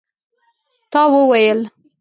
تا وویل?